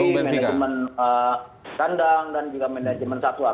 manajemen kandang dan juga manajemen satwa